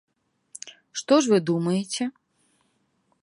Што ж вы думаеце?